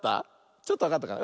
ちょっとわかったかな？